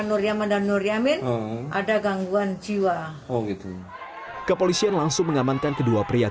nur yaman dan nur yamin ada gangguan jiwa oh gitu kepolisian langsung mengamankan kedua pria